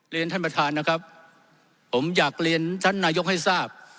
ท่านประธานนะครับผมอยากเรียนท่านนายกให้ทราบ